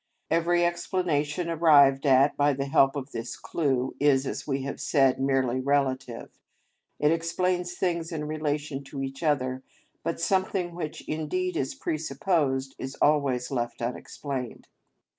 Every explanation arrived at by the help of this clue is, as we have said, merely relative; it explains things in relation to each other, but something which indeed is presupposed is always left unexplained.